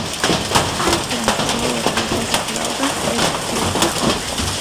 პანთეონს ჩვეულებრივი სასაფლაოდან ერთი ბილიკი ჰყოფს.